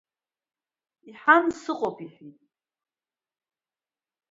Иҳан, сыҟоуп, иҳәит.